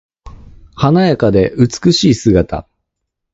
華やかで美しい姿。